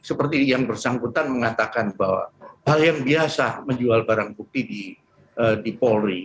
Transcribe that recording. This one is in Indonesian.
seperti yang bersangkutan mengatakan bahwa hal yang biasa menjual barang bukti di polri